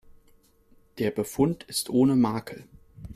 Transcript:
Der Befund ist ohne Makel.